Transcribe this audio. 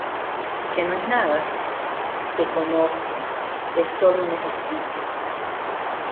¿ que no es nada? te conozco. es solo un ejercicio